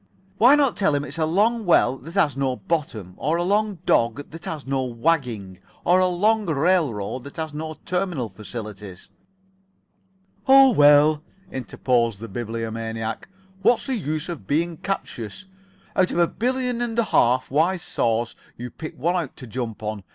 Why not tell him it's a long well that has no bottom, or a long dog that has no wagging, or a long railroad that has no terminal facilities?" "Oh, well," interposed the Bibliomaniac, "what's the use of being captious? Out of a billion and a half wise saws you pick out one to jump on.